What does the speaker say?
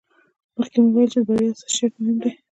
مخکې مو وویل چې د بریا اساسي شرط مهم دی.